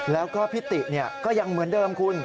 แล้วก็พิติก็ยังเหมือนเดิมคุณ